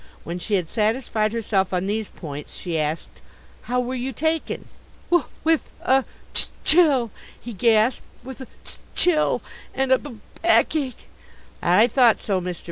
When she had satisfied herself on these points, she asked: "How were you taken?" "W with a c chill!" he gasped "with a c chill and a b backache!" "I thought so. Mr.